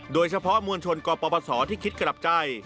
โดยเฉพาะมวลชนกปศที่คิดกลับใจ